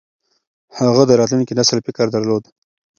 هغه د راتلونکي نسل فکر درلود.